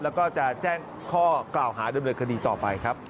แล้วก็จะแจ้งข้อกล่าวหาดำเนินคดีต่อไปครับ